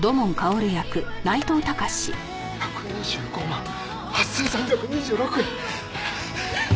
１２５万８３２６円。